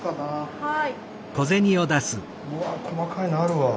はい。